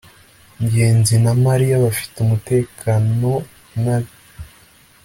ngenzi na mariya bafite umutekanonabi